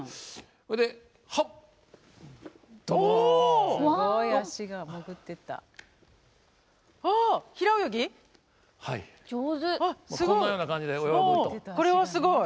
これはすごい。